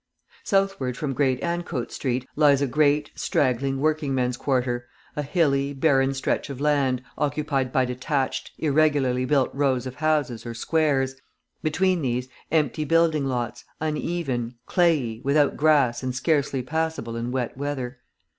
Southward from Great Ancoats Street, lies a great, straggling, working men's quarter, a hilly, barren stretch of land, occupied by detached, irregularly built rows of houses or squares, between these, empty building lots, uneven, clayey, without grass and scarcely passable in wet weather.